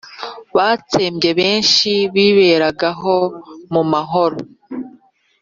batsembye benshi biberagaho mu mahoro.